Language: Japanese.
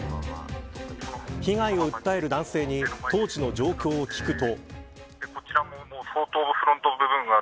被害を訴える男性に当時の状況を聞くと。